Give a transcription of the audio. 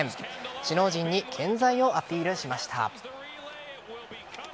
首脳陣に健在をアピールしました。